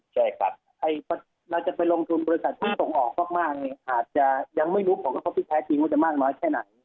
ใช่ครับเราจะไปลงทุนบริษัทที่ส่งออกมากเนี่ยอาจจะยังไม่รู้ผลกระทบที่แท้จริงว่าจะมากน้อยแค่ไหน